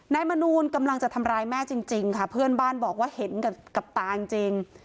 นายมนูนกำลังจะทำรายแม่จริงจริงค่ะเพื่อนบ้านบอกว่าเห็นกับกัปตาจริงจริง